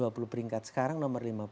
dua puluh peringkat sekarang nomor lima puluh